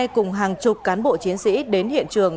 cùng hàng chục cán bộ chiến sĩ đến hiện trường